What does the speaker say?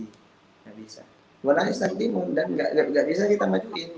bisa bisa kita majuin itu kalau kamu mati umur enam puluh enam puluh kalau saya mati umur dua puluh lima